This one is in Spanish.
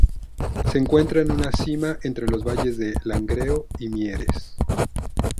Se encuentra en una cima entre los valles de Langreo y Mieres.